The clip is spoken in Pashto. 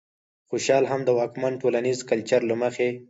خوشال هم د واکمن ټولنيز کلچر له مخې